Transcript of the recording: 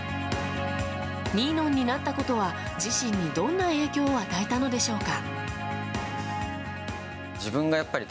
ニーノンになったことは自身にどんな影響を与えたのでしょうか。